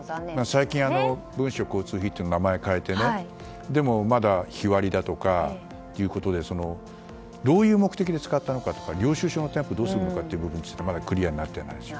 最近、文書交通費は名前を変えてまだ日割りとかねどういう目的で使ったのかとか領収書はどうするのかという部分についてまだクリアになっていないです。